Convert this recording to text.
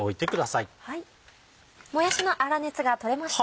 もやしの粗熱がとれました。